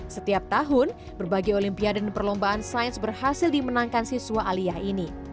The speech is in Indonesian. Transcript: setiap tahun berbagai olimpia dan perlombaan sains berhasil dimenangkan siswa aliah ini